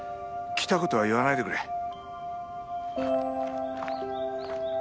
来た事は言わないでくれ。